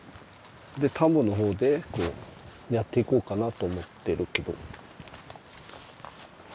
で田んぼの方でやっていこうかなと思ってるけど。